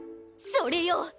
それよ！